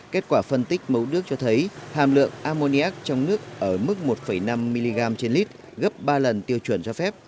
kết quả phân tích mẫu nước cho thấy hàm lượng amoniac trong nước ở mức một năm mg trên lít gấp ba lần tiêu chuẩn cho phép